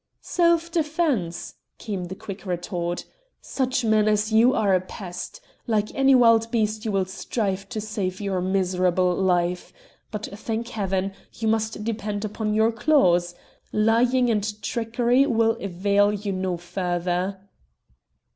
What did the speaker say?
"Self defence!" came the quick retort. "Such men as you are a pest. Like any wild beast you will strive to save your miserable life! But, thank Heaven, you must depend upon your claws. Lying and trickery will avail you no further!"